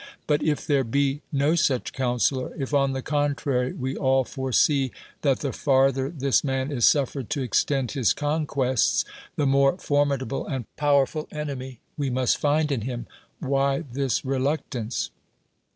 But if there ho no such counselor ; if, on the contrary, we all foresee that the farther this man is suffercni to exlc'ud his conquests, the more formidable and powerful enemy we must find in him, whj' this reluctance?